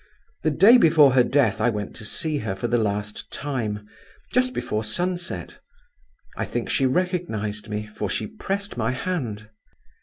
The day before her death I went to see her for the last time, just before sunset. I think she recognized me, for she pressed my hand.